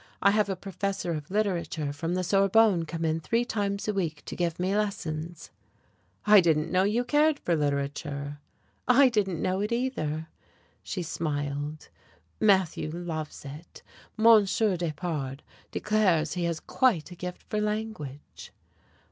I have a professor of literature from the Sorbonne come in three times a week to give me lessons." "I didn't know you cared for literature." "I didn't know it either." She smiled. "Matthew loves it. Monsieur Despard declares he has quite a gift for language."